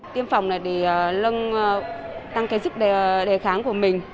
tiêm phòng là để tăng giúp đề kháng của mình